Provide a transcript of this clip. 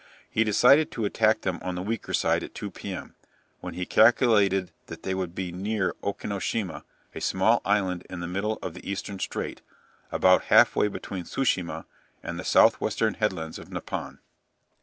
He decided to attack them on the weaker side at 2 p.m., when he calculated that they would be near Okinoshima, a small island in the middle of the eastern strait, about half way between Tsu shima and the south western headlands of Nippon.